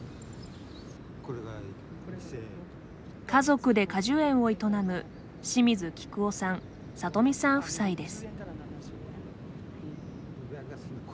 家族で果樹園を営む清水喜久男さん里美さん夫妻です。